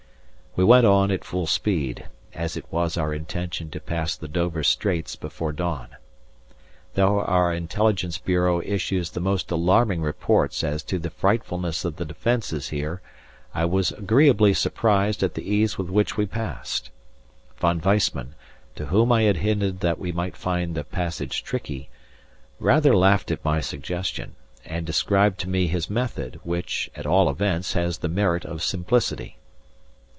We went on at full speed, as it was our intention to pass the Dover Straits before dawn. Though our intelligence bureau issues the most alarming reports as to the frightfulness of the defences here I was agreeably surprised at the ease with which we passed. Von Weissman, to whom I had hinted that we might find the passage tricky, rather laughed at my suggestion, and described to me his method, which, at all events, has the merit of simplicity.